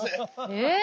えっ！